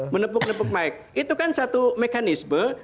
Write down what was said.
menepuk nepuk mike itu kan satu mekanisme